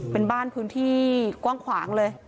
เป็นบ้านพื้นที่กว้างขวางเลย